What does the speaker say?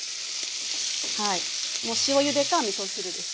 もう塩ゆでかみそ汁です。